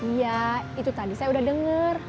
iya itu tadi saya udah dengar